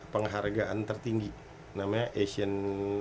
penghargaan tertinggi namanya asian